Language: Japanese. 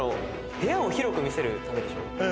部屋を広く見せるためでしょ。